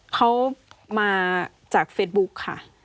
เขามาจากเฟซบุ๊กค่ะ